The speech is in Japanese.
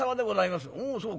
「おおそうか。